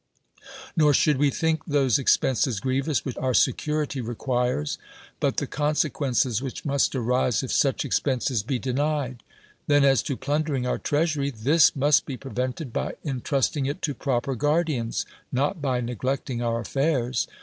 Nor sliould we think those expenses griev ous which our security requires, but the con sequences which must arise if such expenses be denied. Then as to plundei'ing our treasury; this must be prevented by intrusting it to pro])er guardians, not by neglecting our affairs.